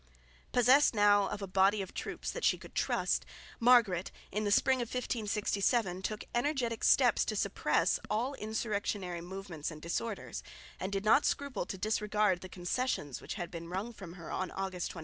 Possessed now of a body of troops that she could trust, Margaret in the spring of 1567 took energetic steps to suppress all insurrectionary movements and disorders, and did not scruple to disregard the concessions which had been wrung from her on August 23.